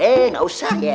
eh gak usah ya